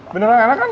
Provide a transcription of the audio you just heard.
beneran enak kan